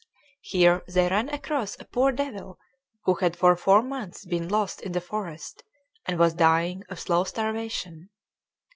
Here they ran across a poor devil who had for four months been lost in the forest and was dying of slow starvation.